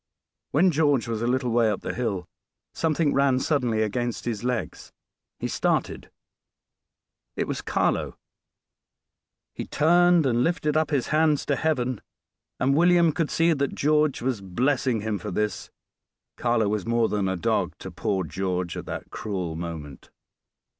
When George was a little way up the hill, something ran suddenly against his legs he started it was Carlo. He turned and lifted up his hands to Heaven; and William could see that George was blessing him for this. Carlo was more than a dog to poor George at that cruel moment.